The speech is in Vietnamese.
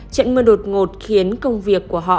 trận mưa đột ngột khiến công việc của họ